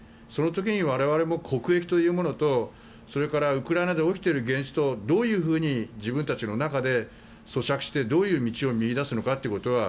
その時に我々も国益というものとウクライナで起きている現実とどういうふうに自分たちの中で咀嚼してどういう道を見いだすのか。